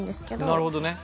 なるほどね。